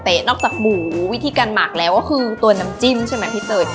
ร้อยของโหสเตะนอกจากหมูวิธีการหมักแล้วว่าคือตัวน้ำจิ้มใช่ไหมพี่เตย